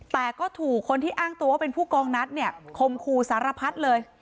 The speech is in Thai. แต่ก็ถูกคนที่อ้างตัวว่าเป็นผู้กองนัดเนี่ยคมคู่สารพัดเลย